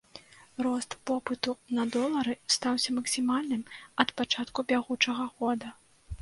Рост попыту на долары стаўся максімальным ад пачатку бягучага года.